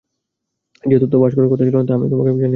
যে তথ্য ফাঁস করার কথা ছিল না, তা আমি তোমাকে জানিয়ে দিলাম।